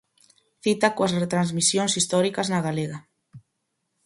Cita coas retransmisións históricas na Galega.